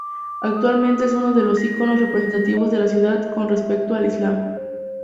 Actualmente es uno de los iconos representativos de la ciudad con respecto al islam.